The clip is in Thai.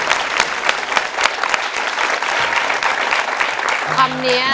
ทั้งในเรื่องของการทำงานเคยทำนานแล้วเกิดปัญหาน้อย